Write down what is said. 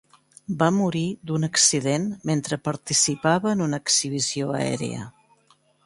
Va morir d'un accident mentre participava en una exhibició aèria.